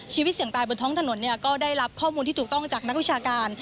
ชีวิตเสี่ยงตายบนท้องถนนเนี่ยก็ได้รับข้อมูลที่ถูกต้องจากนักวิชาการ